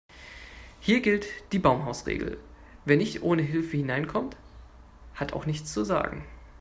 Hier gilt die Baumhausregel: Wer nicht ohne Hilfe hineinkommt, hat auch nichts zu sagen.